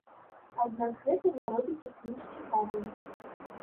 Аднак гэта не робіць іх менш цікавымі.